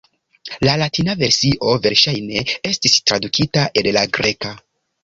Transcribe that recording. La latina versio verŝajne estis tradukita el la greka.